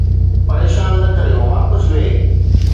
پريشان نه ڪريو، واپس ويھ